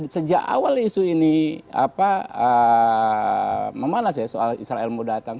sejak awal isu ini memanas ya soal israel mau datang